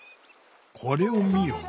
これを見よ。